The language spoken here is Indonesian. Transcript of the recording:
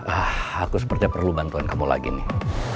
ah aku sepertinya perlu bantuan kamu lagi nih